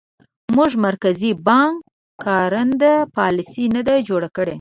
زموږ مرکزي بانک کارنده پالیسي نه ده جوړه کړې.